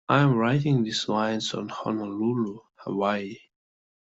I am writing these lines in Honolulu, Hawaii.